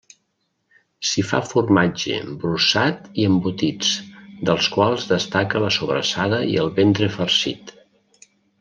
S'hi fa formatge, brossat i embotits, dels quals destaca la sobrassada i el ventre farcit.